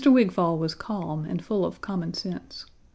Wigfall was calm and full of common sense.